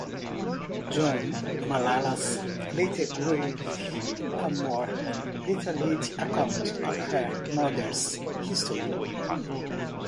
John Malalas later gave a more detailed account of her mother's history.